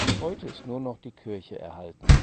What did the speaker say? Heute ist nur noch die Kirche erhalten.